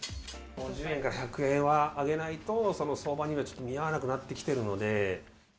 ５０円か１００円は上げないと、その相場にはちょっと見合わなくなってきてるので。